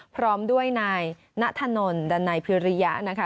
พร้อมด้วยนายณถนนดันไนพิริยะนะคะ